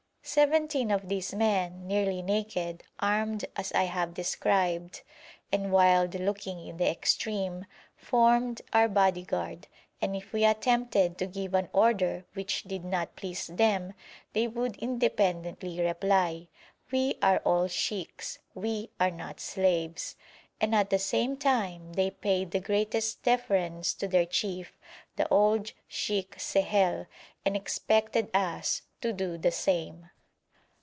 Seventeen of these men, nearly naked, armed as I have described, and wild looking in the extreme, formed our bodyguard, and if we attempted to give an order which did not please them, they would independently reply, 'We are all sheikhs, we are not slaves.' At the same time they paid the greatest deference to their chief, the old Sheikh Sehel, and expected us to do the same.